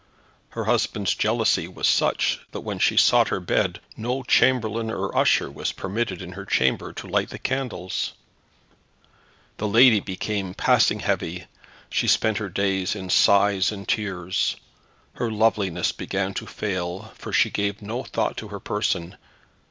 Her husband's jealousy was such that when she sought her bed, no chamberlain or usher was permitted in her chamber to light the candles. The lady became passing heavy. She spent her days in sighs and tears. Her loveliness began to fail, for she gave no thought to her person.